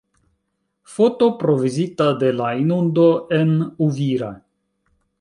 Foto provizita de La inundo en Uvira.